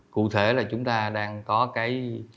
cụ thể là chúng ta đang có cái